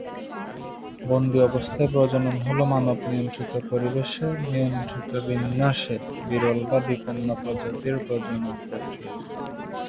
বন্দী অবস্থায় প্রজনন হল মানব নিয়ন্ত্রিত পরিবেশে নিয়ন্ত্রিত বিন্যাসে, বিরল বা বিপন্ন প্রজাতির প্রজনন প্রক্রিয়া।